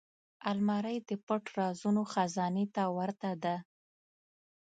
الماري د پټ رازونو خزانې ته ورته ده